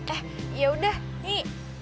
eh yaudah nih